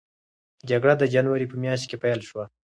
جګړه د جنورۍ په میاشت کې پیل شوه.